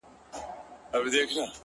• لږه توده سومه زه،